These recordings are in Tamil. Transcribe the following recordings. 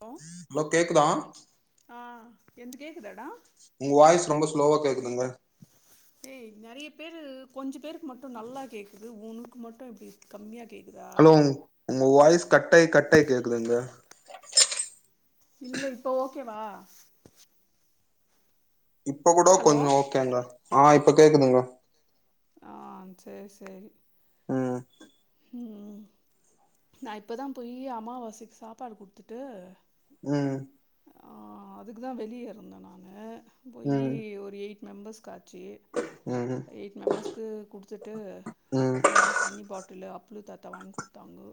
ஹலோ ஹலோ கேக்குதா ஆ என்து கேக்குதாடா உங்க வாய்ஸ் ரொம்ப ஸ்லோவா கேக்குதுங்க ஏய் நெறைய பேரு கொஞ்ச பேருக்கு மட்டு நல்லா கேக்குது உனுக்கு மட்டு இப்டி கம்மியா கேக்குதா ஹலோ உங்க வாய்ஸ் கட்டாய் கட்டாய் கேக்குதுங்க இல்ல இப்ப ஓகே வா இப்ப கூட ஹலோ கொஞ்சோ ஓகேங்க ஆ இப்ப கேக்குதுங்க ஆ சேரி சேரி ம் ம் நா இப்போ தா போய் அமாவாசைக் சாப்பாடு குடுத்துட்டு ம் ஆ அதுக்கு தா வெளிய இருந்த நானு போயி ஒரு எயிட் மெம்பர்ஸ் காச்சி ம் ம் எயிட் மெம்பர்ஸ்க்கு குடுத்துட்டு ம் தண்ணி பாட்டுலு அப்ளு தாத்தா வாய்ங் குட்த்தாங்கோ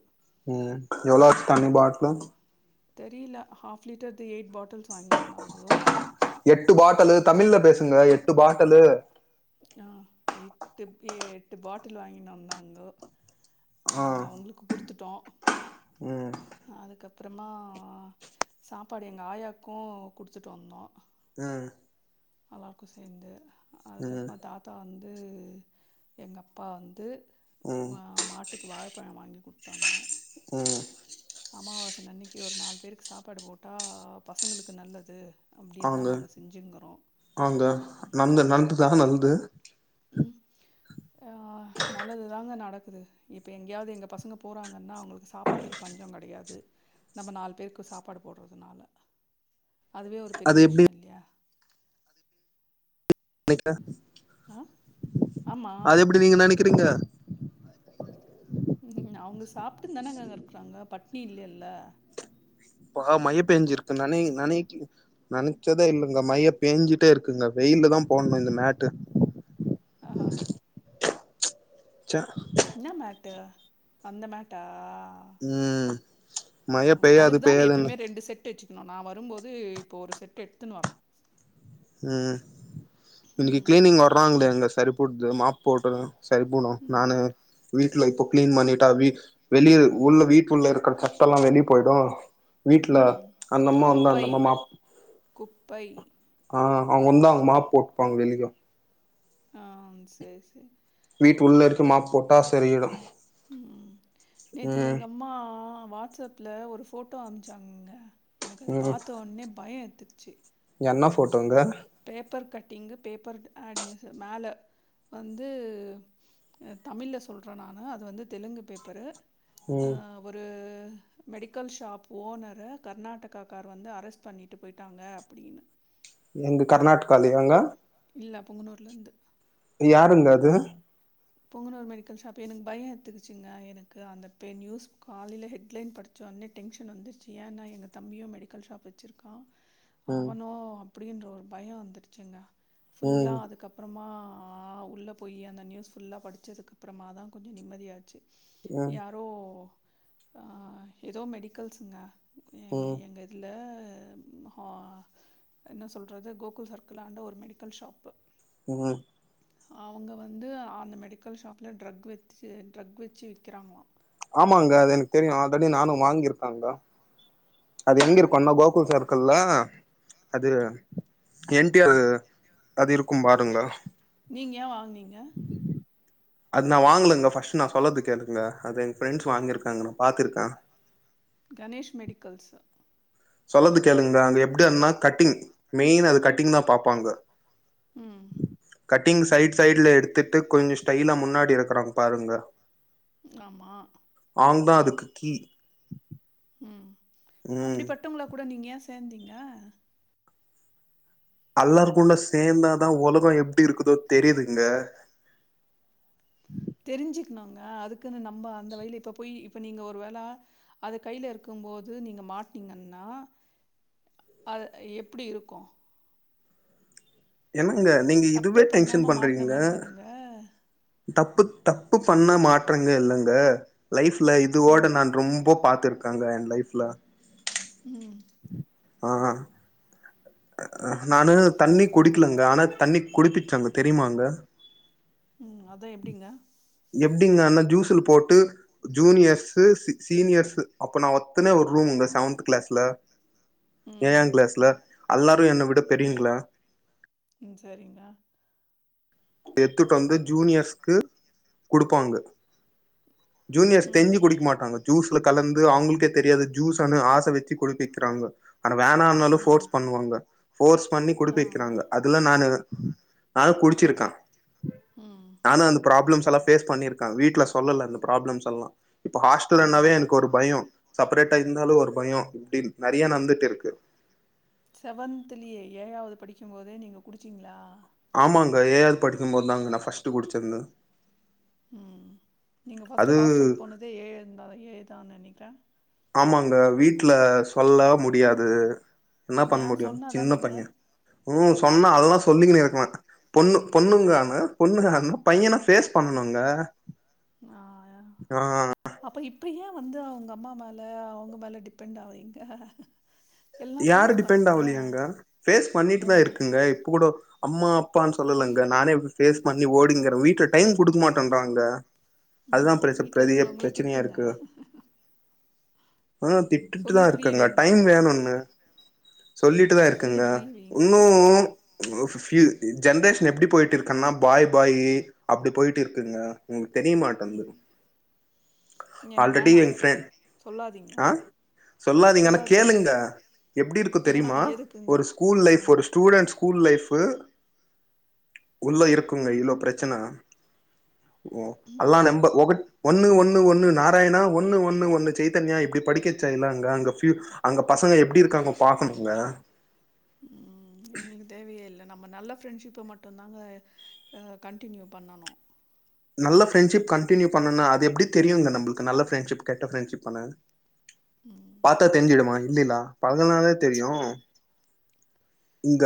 ம் எவ்ளோ தண்ணி பாட்லு தெரியில ஹாஃப் லிட்டருது எயிட் பாட்டில்ஸ் வாங்கினு வந்தாங்கோ எட்டு பாட்டலு தமிழ்ல பேசுங்க எட்டு பாட்டலு ஆ எட்டு ஏ எட்டு பாட்டுலு வாங்கினு வந்தாங்கோ ஆ உங்களுக்கு குடுத்துட்டோ ம் அதுக்கப்புறமா சாப்பாடு எங்க ஆயாக்கு குடுத்துட்டு வந்தோ ம் எல்லாருக்கு சேந்து ம் அதுக்கப்மா தாத் பா வந்து எங்க அப்பா வந்து ம் எங்க மா மாட் டுக்கு வாழப்பழோ வாங்கி குட்த்தாங்க ம் அமாவாசன அன்னிக்கு ஒரு நால் பேருக்கு சாப்பாடு போட்டா பசங்களுக்கு நல்லது அப்டின் தா நாங்க செஞ்சிங்கறோ காங்க நந்த நல்துதா நல்து ம் ஆ நல்லது தாங்க நடக்குது இப்போ எங்கேயாவது எங்க பசங்க போறாங்கன்னா அவுங்களுக்கு சாப்பாட்டுக்கு பஞ்சம் கெடையாது நம்ம நால் பேருக்கு சாப்பாடு போட்றதுனால அதுவே ஒரு பெரிய அது எப்டி விஷ்ய இல்லையா ஆ, ஆமா. அது எப்டி நீங்க நெனைக்கிறீங்க ம் அவுங்க சாப்ட்டு தானாங்க இருக்றாங்க பட்னி இல்லையல்ல இப்ப மையப் பேஞ்சிருக்குனானே நெனைக்கு நெனச்சதே இல்லங்க மைய பேஞ்சிட்டே இருக்குங்க வெயில்ல தா போட்ணு இந்த மேட்டு ஆஹாஹா ச்ச என்ன மேட்டு அந்த மேட்டா ம் மழ பெய்யாது அதுக்குதான் பெய்யாதுன்னு எப்பயுமே ரெண்டு செட் வச்சு நான் வரும்போது இப்போ ஒரு செட்டு் எடுத்துன்னு வரேன் ம் இன்னைக்கு ம். கிளீனிங் வறாங்களோ எங்க சரி போடுது மாப் போட்டு சரி போனும் ம். நானு வீட்டு்ல இப்போ கிளீன் பண்ணிட்டா வீ வெளிய உள்ள வீட்டு உள்ள இருக்கிற சத்தல்லாம் வெளியே போயிடும் வீட்டுல ம். அந்தம்மா வந்த குப்பை அந்தம்மா மாப் குப்பை ஆ அவங்க வந்தா அவங்க மாப் போட்டுப்பாங்க வெளிக்கும் ஆ சரி சரி வீட்டு உள்ள இருக்கு மாப்போட்டா சரியிடும் ம் நேத்திக்கு எங்கள் அம்மா வாட்ஸ்அப்பில ஒரு ஃபோட்டோ அமுச்சாங்கங்க எனக்கு அது ம் பாத்தோடனே பயம் எத்துச்சு என்ன போட்டோங்க paper cutting paper ad news மேல வந்து தமிழ்ல சொலறேன் நானு அது வந்து தெலுங்கு பேப்பரு ம் ஒரு மெடிக்கல் ஷாப் ஓனர கர்நாடகா கார் வந்து அரெஸ்ட் பண்ணிட் ட்டு போயிட்டாங்க அப்படின்னு எங்க கர்நாடகாலியா ங்க இல்ல பொங்கனூர்ல இருந்து யாருங்க அது பொங்கனூர் மெடிக்கல் ஷாப் எனக்கு பயம் எத்துக்குச்சிங்க எனக்கு அந்த பெ நியூஸ் காலையில ஹெட்லைன் படு சொனே டென்ஷன் வந்துருச்சு ஏன்ன்னா எங்கள் தம்பியும் மெடிக்கல் ஷாப் வச்சிருக்கான் ம் அவனோ அப்படின்ற ஒரு பயம் வந்துருச்சுங்க ஃபுல்லா ம் அதுக்கப் அப்புறமா உள்ளே போய் அந்த நியூஸ் ஃபுல்லாக படிச்சதுக்க அப்புறமா தான் கொஞ்சம் நிம்மதியாச்சு ம் யாரோ அ ஏதோ மெடிக்கல்ஸங்க எ ம் எங்கள் இதில ஆ என்ன சொல்றது கோகுல் சர்க்கிள் ஆண்ட ஒரு மெடிக்கல் ஷாப்பு ம் அவங்க வந்து அந்த மெடிக்கல் ஷாப்ல ட்ரக் வச்சு ட்ரக் வச்சு விற்கிறாங்களா ஆமாங்க அது எனக்கு தெரியும் ஆல்ரெடி நானும் வாங்கியிருக்காங்க அது எங்க இருக்குன்னா கோகுல் சர்க்கிள்ல அது என் டி ஆர் அது இருக்கும் பாருங்கலெ நீங்க ஏன் வாங்கனீங்க அது நான் வாங்கலங்க ஃபர்ஸ்டு நான் சொல்லற கேளுங்க அது எங்க ஃப்ரென்ட்ஸ் வாங்கியிருக்காங்க நான் பாத்துருக்கேன் கணேஷ் மெடிக்கல்ஸ் சொல்லது கேளுங்க அங்க எப்படினா கட்டிங் மெயின் அது கட்டிங் தான் பாபப்பாங்க ம் கட்டிங் சைட் சைட்ல எடுத்துட்டு கொஞ்சம் ஸ்டைலா முன்னாடி இருக்கறாங்க பாருங்க ஆமா ஆந்தான் அதுக்கு கீ ம் ம் அப்படிப்பட்டவங்கள கூட நீங்க ஏன் சேந்தீங்க அல்லாரு கூண்ட சேர்ந்தாதான் உலகம் எப்படி இருக்குதோ தெரியுதுங்க தெரிஞ்சுக்கணுங்க அதுக்குன்னு நம்ம அந்த வழியிலே இப்ப போய் இப்ப நீங்க ஒரு வேளை அது கையில இருக்கும் போது நீங்க மாட்டீங்கன்னா அது எப்டி இருக்கு என்னங்க நீங்க தப்பே இதுவே டென்ஷன் பண்ணாம மாட்டின பண்றீங்க மாதிரி தானுங்க தப்பு தப்பு பண்ண மாட்றங்க இல்லங்க லைஃப்ல ம் இதுவோட நான் ரொம்ப பாத்துருக்காங்க என் லைஃப்ல ம் ஆஹ நானு தண்ணி குடிக்கலங்க ஆனா தண்ணி குடிப்பிச்சாங்க தெரியுமாங்க ம் அதா எப்டிங்க எப்டிங்கன்னா ஜூஸுல போட்டு ஜூனியர்ஸு சீ சீனியர்ஸு அப்ப நான் ஒத்தனே ஒரு ரூம்ங்க செவன்த் கிளாஸ்ல ம் ஏழாங் கிளாஸ்ல அல்லாரு என்ன விட பெரியுங்களா ம் சரிங்க எடுத்துட்டு வந்து ஜூனியர்ஸ்க்கு குடுப்பாங்க ஜூனியர்ஸ் ம் தெரிஞ்சு குடிக்க மாட்டாங்க ஜூஸ்ல கலந்து அவுங்களுக்கே தெரியாத ஜூஸ்ன்னு ஆச வச்சு குடுப்பிக்கிறாங்க அட வேணான்னாலு ம் ஃபோர்ஸ் பண்ணுவாங்க ஃபோர்ஸ் பண்ணி ஆ குடுப்ப வக்கிறாங்க அது இல்ல நானு நானு குடிச்சிருக்க ம் நானு அந்த ப்ராப்ளம்ஸ் எல்லா ஃபேஸ் பண்ணிருக்க வீட்ல சொல்லல அந்த ப்ராப்ளம்ஸ் எல்லா இப்ப ஹாஸ்டலுன்னாவே ம் எனக்கு ஒரு பயோ செப்பரேட்டா இருந்தாலு ஒரு பயோ இப்டி நெறைய நடந்துட்டு இருக்கு செவன்த்லயே ஏழாவது படிக்கும் போதே நீங்க குடிச்சீங்களா ஆமாங்க ஏழாது படிக்கும்போது தாங்க நா ஃபஸ்ட்டு குடிச்சிருந்த ம் நீங்கள் ஃபஸ்ட்டு அது ஹாஸ்டலுக்கு போனதே ஏழுந்தா ஏழுதா நெனைக்கிறே ஆமாங்க வீட்ல சொல்ல முடியாது என்ன பண்ண ஏ முடியு சொன்னா சின்ன தானேங்க பைய ம் சொன்னா அதெல்லா சொல்லிக்கனு இருக்லா பொண்ணு பொண்ணுங்கானு பொண்ணுங்கான பையன ஃபேஸ் பண்ணனுங்க ஆ ஆ அப்ப இப்ப ஏ வந்து அவுங்க அம்மா மேல அவுங்க மேல டிபெண்ட் ஆவுறீங்க யாரு டிபெண்ட் ஆவுலேயங்க ஃபேஸ் ஆ பண்ணிட்டு தா இருக்கேங்க இப்ப கூட அம்மா அப்பான்னு சொல்லலங்க நானே இப்ப ஃபேஸ் பண்ணி ஓடிங்கற வீட்ல டைம் குடுக்க மாட்டேன்றாங்க அதா ம் பிரச்சன வீட்ல பெரிய இருக்கிறவங்கள பிரச்சனையா திட்டுங்க இருக்கு ஆ திட் ட்டு தா சொல்லி புரிய இருக்கங்க வைங்க டைம் வேணுன்னு சொல்லிட்டு தா சொல்லி இருக்கங்க புரிய வைங்க இன்னு இப்பவு ஃபீ ஜென்ரேஷன் எப்டி போயிட்டு இருக்கன்னா பாய் பாயி அப்டி போயிட்டு இருக்குங்க உங்களுக்கு தெரிய மாட்டேந்து ம் எனக்கு ஆல்ரெடி வேணா ஏ ஃப்ரெ சொல்லாதீங்க ஆ சொல்லாதீங்கனா சொல்லாதீங்க கேளுங்க எப்டி இருக்கும் ஆ தெரியுமா எதுக்குங்க ஒரு ஸ்கூல் ஆ லைஃப் ஒரு ஸ்டுடென்ட்ஸ் ஸ்கூல் லைஃபு உள்ள இருக்குங்க இவ்ளோ பிரச்சன ஓ ம் அல்ல நம்ப ஒகட் ஒன்னு ஒன்னு ஒன்னு நாராயணா ஒன்னு ஒன்னு ஒன்னு சைதன்யா இப்டி படிக்க வச்சாங்கல்ல அங்க அங்க ஃப்யூ அங்க பசங்க எப்டி இருக்காங்க பாக்கணுங்க ம் எங்களுக்கு தேவையே இல்லை நம்ம நல்ல ஃப்ரெண்ட்ஷிப்ப மட்டு தாங்க ஆ கண்டினியூ பண்ணணு நல்ல ஃப்ரெண்ட்ஷிப் கண்டினியூ பண்ணுனா அது எப்டி தெரியுங்க நம்பளுக்கு நல்ல ஃப்ரெண்டஷப் கெட்ட ஃபிரண்ட்ஷிப்னு ம் பாத்தா தெரிஞ்சுடுமா இல்லில்லா பழகுனால் தா தெரியு இங்க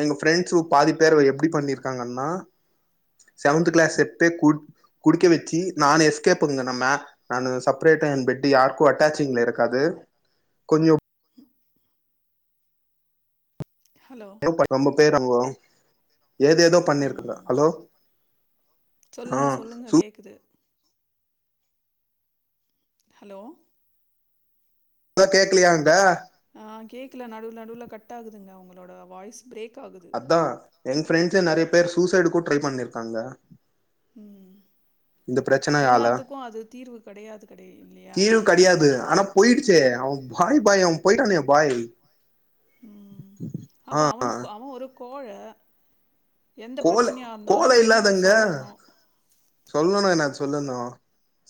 எங்க ஃப்ரெண்ட்ஸ பாதி பேர் எப்டி பண்ணிருக்காங்கன்னா செவன்த் கிளாஸ் எத்து குட் குடிக்க வச்சு நானு எஸ்கேப்புங்க நம்ம நானு செப்பரேட்டா என் பெட்டு யாருக்கு அட்டாச்சிங்ல இருக்காது கொஞ்சோ ஹலோ ரொம்ப பேர் அவுங்க ஏதேதோ பண்ணிருக்காங் ம் ஹலோ ஆ சொல்லுங்க சொல்லுங்க சூ கேக்குது ஹலோ லோ கேக்கலையாங்கா ஆ கேக்ல நடுவுல நடுவுல கட் ஆகுதுங்க உங்களோட வாய்ஸ் பிரேக் ஆகுது அதா என் ஃப்ரெண்ட்ஸே நெறைய பேர் சூசைடுக்கூ ட்ரை பண்ணிருக்காங்க ம் இந்த பிரச்சனையால எல்லாத்துக்கு அது தீர்வு கெடையாது கெடைய இல்லையா தீர்வு கெடையாது ஆனா போயிடுச்சே அவ பாய் பாய் அவ போய்டானே பாய் ம் ஆ அப்போ அவனுக் அவெ ஒரு கோழ எந்த கோல பிரச்சனையா கோல இருந்தாலு வெளில சொல்லணு சொல்லனு என்ன சொல்லுனு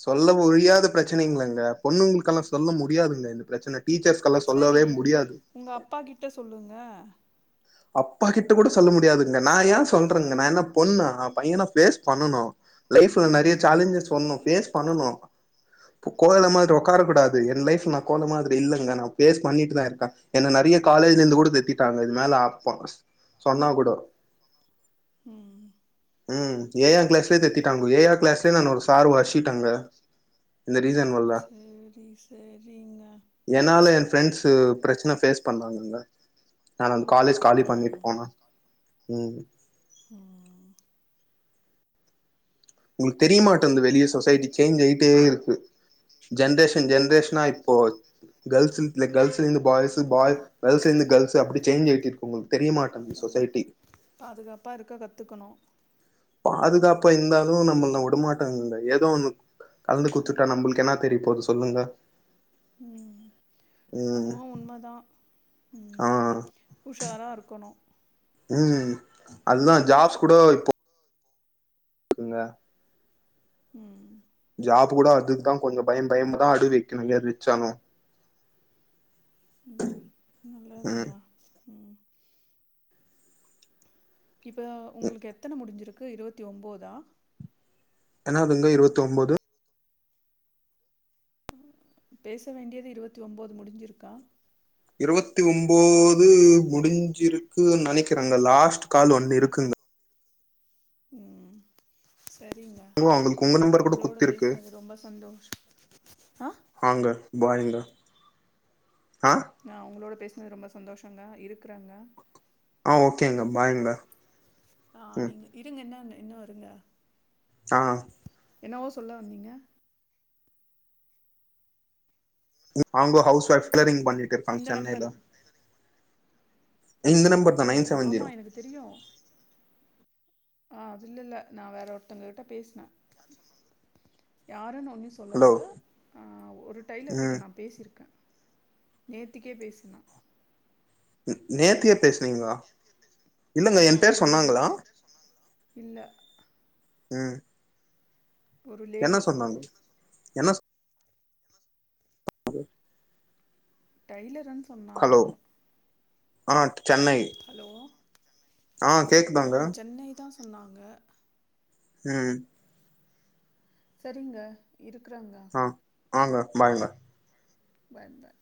சொல்ல முடியாத பிரச்சனைங்களங்க பொண்ணுங்களுக்கெல்லா சொல்ல முடியாதுங்க இந்த பிரச்சன டீச்சர்ஸ் சரி உங்க அப்பா கிட்ட சொல்லுங்க அப்பா கிட்ட கூட சொல்ல முடியாதுங்க நா ஏ சொல்றேங்க நா என்ன பொண்ணா பையனா ஃபேஸ் பண்ணனு லைஃப்ல நெறைய ம் சேலஞ்சஸ் ஒன்னு ஃபேஸ் பண்ணணு கோ கோழ மாதிரி உக்காரக்கூடாது என் லைஃப்ல நா கோழ மாதிரி இல்லங்க நா ஃபேஸ் பண்ணிட்டுதா இருக்கே என்ன நெறைய காலேஜ்ல இருந்து கூட நிறுத்திட்டாங்க இது மேல ஆப்போ சொன்னா கூடோ ம் ம் ஏ ஆர் கிளாஸ்லயே தித்திட்டாங்க ஏ ஆர் கிளாஸ்லயே நான் ஒரு சார் ஒரசிட்டங்க இந்த ரீசன் வல்ல ரி சரிங்க என்னால என் ஃபிரரெண்ட்ஸ் பிரச்சன ஃபேஸ் பண்றாங்கங்க அதா நான் காலேஜ் காலி பண்ணிட்டு ம் போன ம் ம் உங்களுக்கு தெரியமாட்டேங்து வெளிய சொசைட்டி சேஞ்ச் ஆயிட்டே இருக்கு ஜென்ரேஷன் ஜென்ரேஷனா இப்போ கேர்ள்ஸ் லே கேர்ள்ஸ்லந்து பாய்ஸு பாய் கேர்ள்ஸ்லந்து கேர்ள்ஸ் அப்டி சேஞ் ஆயிட்டு இருக்கு உங்களுக்கு தெரிய மாட்டேங்கு இந் ம் சொசைட்டி பாதுகாப்பா இருக்க கத்துக்கணு பாதுகாப்பா இருந்தாலு நம்மல்ல வுடமாட்டாங்குங்க எதோ ஒன்னு கலந்து குத்துட்டா நம்மளுக்கு என்னா தெரிய போது சொல்லுங்க ம் அ உண்மதா ம் ஆ உஷாரா இருக்கணு ம் அதுதா ஜாப்ஸ் கூட இப்போ குங்க ம் ஜாப் பு கூட அதுக்குதா கொஞ்சொ பயம் பயமுதா அடுக்குது ஹெரியர் ச்சாலும் ம் நல்லாதங்க ம் ம் இப்போ உங்களுக்கு எத்தன முடிஞ்சிருக்கு இருவத்தி ஒம்போதா என்னாதுங்க இருவத்தொம்போது அ பேச வேண்டியது இருவத்தி ஒம்போது முடிஞ்சிருக்கா இருவத்தி ஒம்போது முடிஞ்சிருக்கு நெனைக்கிறேங்க லாஸ்ட் கால் ஒன்னு இருக்குங்க ம் செரிங்க ஓ அவங்களுக்கு உங்க நம்பர் கூட உங்களோட குத்திருக்கு பேசுனது ரொம்ப சந்தோஷொ அ ஆங்க பாயிங்க ஆ ஆ உங்களோட பேசினது ரொம்ப சந்தோஷங்க இருக்குறங்க ஆ ஓகேங்க பாய்ங்க ஆ ம் நீங்க இருங்க இன்னொன்னு இன்னு இருங்க ஆ என்னவோ சொல்ல வந்தீங்க அவுங்க ஹவுஸ் எக்ஸ்கெல்லரிங் பண்ணிட்டு இருங்க்காங்க இந்த நம்பரு சென்னைல இந்த நம்பர் தா நைன் அப்டியா செவன் ஆமா ஜீரோ எனக்கு தெரியு ஆ அது இல்லல்ல நா வேற ஒருத்தங்க கிட்ட பேசுனே யாருன்னு ஒண்ணு சொல்லல ஹலோ ஆ ஒரு டெய்லர்கிட்ட ம் நா பேசிருக்கே நேத்திக்கே பேசுனே நேத்தியே பேசுனீங்களா இல்லங்க ஆ ஏ ஒரு பேர் லேடி சொன்னாங்களா இல்ல ம் ஒரு என்ன லேடி சொன்னாங்க என்ன அது டெய்லர்ன் சொன்னாங்கோ ஆ சென்னை ஹலோ ஆ ஆ கேக்குதாங்க சென்னை தா சொன்னாங்க ம் சரிங்க இருக்குறேங்க ஆ ஆங்க பாய்ங்க பாய் பாய்